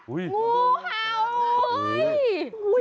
อุ๊ยงูเฮาอุ๊ย